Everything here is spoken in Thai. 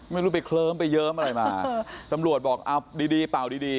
ไม่รู้ไปเคลิ้มไปเยิ้มอะไรมาตำรวจบอกเอาดีดีเป่าดีดี